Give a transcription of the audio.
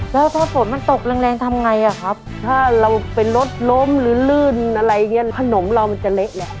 แล้วถ้าฝนมันตกแรงทำไงอ่ะครับถ้าเราเป็นรถล้มหรือลื่นอะไรอย่างนี้ขนมเรามันจะเละเลย